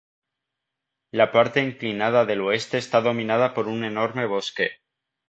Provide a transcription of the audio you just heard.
La parte inclinada del oeste está dominada por un enorme bosque.